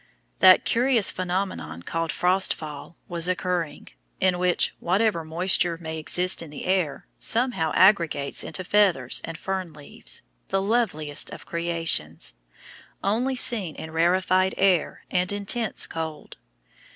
That curious phenomenon called frost fall was occurring, in which, whatever moisture may exist in the air, somehow aggregates into feathers and fern leaves, the loveliest of creations, only seen in rarefied air and intense cold.